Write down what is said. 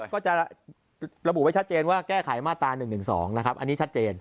ก็จะระบุไว้ชัดเจนว่าแก้ไขมาตรา๑๑๒นะครับอันนี้ชัดเจน